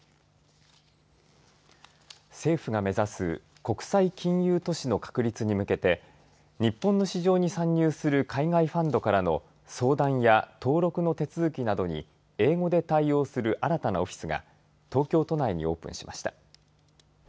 政府が目指す国際金融都市の確立に向けて日本の市場に参入する海外ファンドからの相談や登録の手続きなどに英語で対応する新たなオフィスが東京都内にオープンしました。